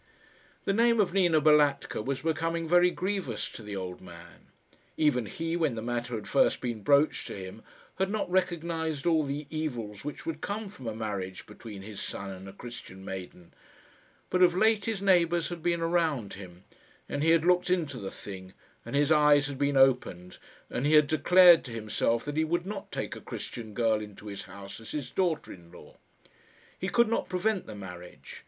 The name of Nina Balatka was becoming very grievous to the old man. Even he, when the matter had first been broached to him, had not recognised all the evils which would come from a marriage between his son and a Christian maiden; but of late his neighbours had been around him, and he had looked into the thing, and his eyes had been opened, and he had declared to himself that he would not take a Christian girl into his house as his daughter in law. He could not prevent the marriage.